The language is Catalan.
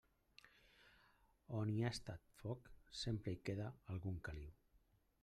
A on hi ha estat foc, sempre hi queda algun caliu.